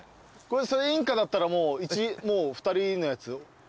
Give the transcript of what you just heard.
それインカだったらもう２人のやつ。